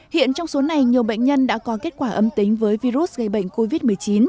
hiện trong số này nhiều bệnh nhân đã có kết quả âm tính với virus gây bệnh covid một mươi chín